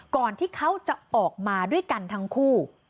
ก่อนที่เขาจะออกมาด้วยกันทั้งคู่